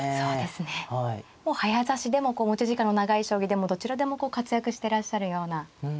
もう早指しでも持ち時間の長い将棋でもどちらでも活躍してらっしゃるような。